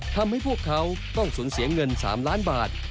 พวกเขาต้องสูญเสียเงิน๓ล้านบาท